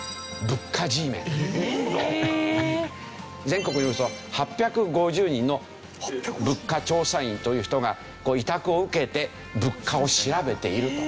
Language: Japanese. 全国におよそ８５０人の物価調査員という人が委託を受けて物価を調べていると。